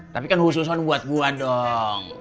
tapi kan khusus buat gue dong